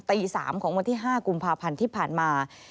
ตี๓ของวันที่๕กุมภาพันธ์ที่ผ่านมา